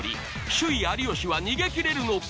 首位有吉は逃げ切れるのか！？